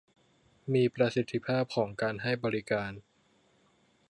มีประสิทธิภาพของการให้บริการ